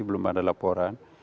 belum ada laporan